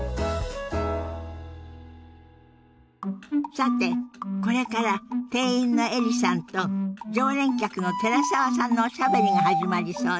さてこれから店員のエリさんと常連客の寺澤さんのおしゃべりが始まりそうよ。